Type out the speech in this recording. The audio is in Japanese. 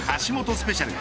スペシャル。